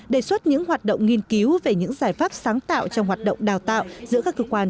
đề xuất những hoạt động nghiên cứu về những giải pháp sáng tạo trong hoạt động đào tạo giữa các cơ quan